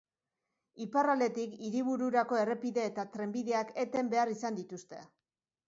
Iparraldetik hiribururako errepide eta trenbideak eten behar izan dituzte.